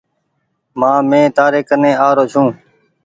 مآ مين تيآري ڪني آرو ڇون۔